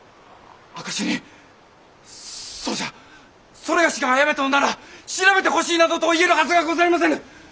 それがしがあやめたなら調べてほしいなどと言えるはずがござりませぬ！